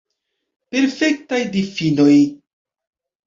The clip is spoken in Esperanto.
Perfektaj difinoj.